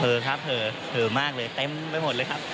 เผลอครับเผลอเผลอมากเลยเต็มไปหมดเลยครับ